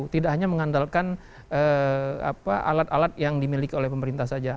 tidak hanya mengandalkan alat alat yang dimiliki oleh pemerintah saja